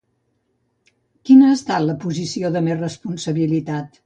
Quina ha estat la posició de més responsabilitat?